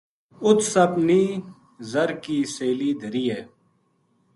اُت سپ نیہہ ذر کی سیلی دھری ہے